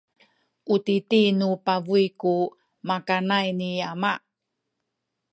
u titi nu pabuy ku makanay ni ama.